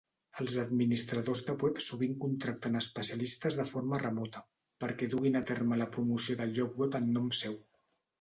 Els administradors de web sovint contracten especialistes de forma remota perquè duguin a terme la promoció del lloc web en nom seu.